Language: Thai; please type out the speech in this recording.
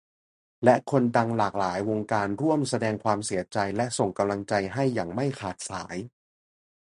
และคนดังหลากหลายวงการร่วมแสดงความเสียใจและส่งกำลังใจให้อย่างไม่ขาดสาย